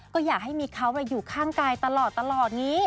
ก็อยากให้มีเขาอยู่ข้างกายตลอดนี้